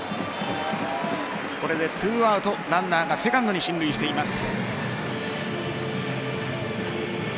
これで２アウトランナーがセカンドに進塁しています。